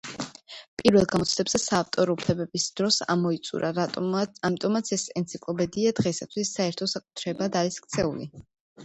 პირველ გამოცემებზე საავტორო უფლებების დრო ამოიწურა, ამიტომაც ეს ენციკლოპედია დღეისათვის საერთო საკუთრებად არის ქცეული.